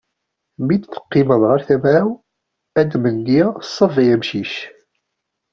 Mi d-teqqimeḍ ɣer tama-w, ad am-iniɣ ṣebb ay amcic.